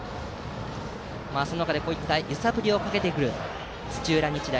その中でこういった揺さぶりをかけてくる、土浦日大。